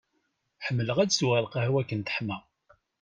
Ḥemmleɣ ad sweɣ lqahwa akken teḥma.